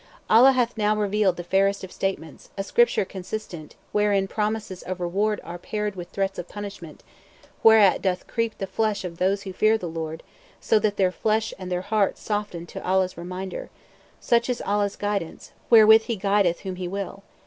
P: Allah hath (now) revealed the fairest of statements, a Scripture consistent, (wherein promises of reward are) paired (with threats of punishment), whereat doth creep the flesh of those who fear their Lord, so that their flesh and their hearts soften to Allah's reminder. Such is Allah's guidance, wherewith He guideth whom He will.